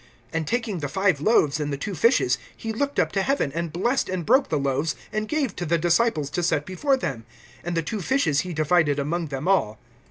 (41)And taking the five loaves and the two fishes, he looked up to heaven, and blessed and broke the loaves, and gave to the disciples to set before them; and the two fishes he divided among them all.